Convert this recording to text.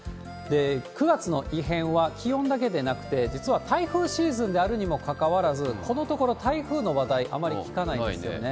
９月の異変は気温だけでなくて、実は台風シーズンであるにもかかわらず、このところ台風の話題、あまり聞かないですよね。